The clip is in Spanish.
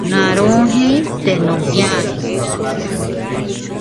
nosotros hubimos no comido